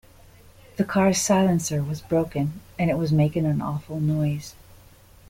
The car’s silencer was broken, and it was making an awful noise